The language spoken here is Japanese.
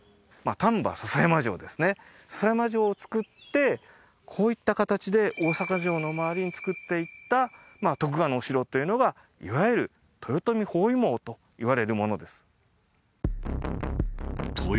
丹波篠山城ですね篠山城を造ってこういった形で大坂城の周りに造っていった徳川のお城というのがいわゆる豊臣包囲網といわれるものです